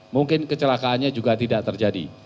mungkin kecelakaannya juga tidak terjadi